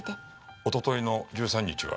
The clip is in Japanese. おとといの１３日は？